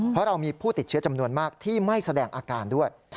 เพราะเรามีผู้ติดเชื้อจำนวนมากที่ไม่แสดงอาการด้วย